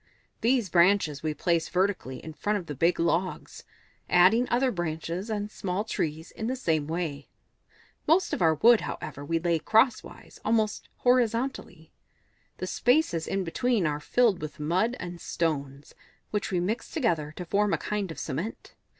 These branches we place vertically in front of the big logs, adding other branches and small trees in the same way. Most of our wood, however, we lay crosswise, and almost horizontally. The spaces in between are filled with mud and stones, which we mix together to form a kind of cement.